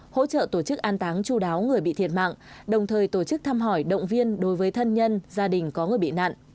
hỗ trợ tổ chức an táng chú đáo người bị thiệt mạng đồng thời tổ chức thăm hỏi động viên đối với thân nhân gia đình có người bị nạn